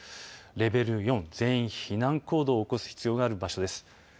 レベル４、全員避難行動を起こす必要がある場所です。